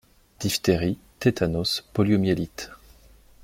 Diphtérie, tétanos, poliomyélite.